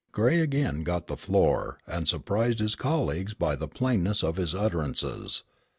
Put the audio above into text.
Gray again got the floor, and surprised his colleagues by the plainness of his utterances.